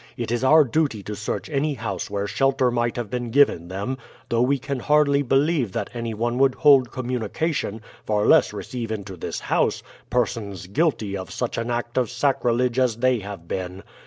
It is our duty to search any house where shelter might have been given them, though we can hardly believe that any one would hold communication, far less receive into this house, persons guilty of such an act of sacrilege as they have been.